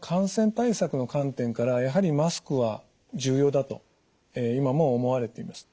感染対策の観点からやはりマスクは重要だと今も思われています。